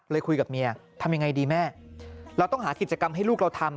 คุยกับเมียทำยังไงดีแม่เราต้องหากิจกรรมให้ลูกเราทำ